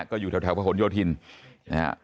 ก็อยู่แถวพระหลโยธินนะฮะ